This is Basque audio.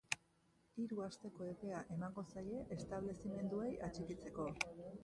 Hiru asteko epea emango zaie establezimenduei atxikitzeko.